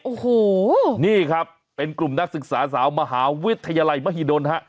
โอ้โหนี่ครับเป็นกลุ่มนักศึกษาสาวมหาวิทยาลัยมหิดลฮะ